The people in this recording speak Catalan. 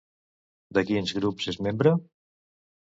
De quins grups és membre?